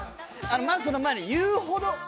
まずその前に「言うほど」